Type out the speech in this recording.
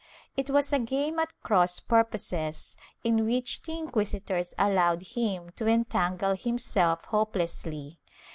It was a game at cross purposes, in which the inquisitors allowed him to entangle himself hopelessly.